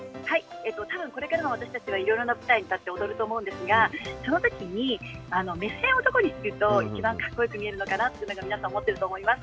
たぶんこれからの私たちはいろいろな舞台に立って踊ると思うんですがその時に目線をどこにすると一番かっこよく見えるのかなっていうのを皆さん思っていると思います。